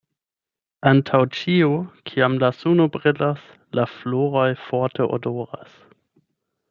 Antaŭ ĉio kiam la suno brilas la floroj forte odoras.